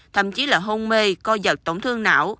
thậm chí là hôn mê co giật tổn thương não